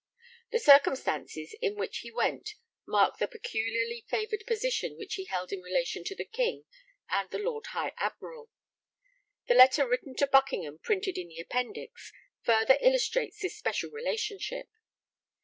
The circumstances in which he went mark the peculiarly favoured position which he held in relation to the King and the Lord High Admiral. The letter written to Buckingham printed in the Appendix further illustrates this special relationship.